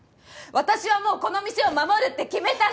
私はもうこの店を守るって決めたの。